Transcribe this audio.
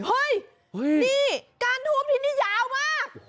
เฮ้ยนี่การทูมที่นี่ยาวมาก